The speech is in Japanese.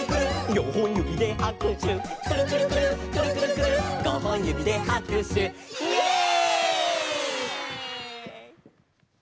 「よんほんゆびではくしゅ」「くるくるくるっくるくるくるっごほんゆびではくしゅ」イエイ！